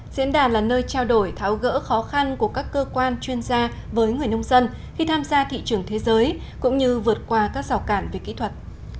diễn đàn là nơi trao đổi tháo gỡ khó khăn của các cơ quan chuyên gia với người nông dân khi tham gia thị trường thế giới cũng như vượt qua các rào cản về kỹ thuật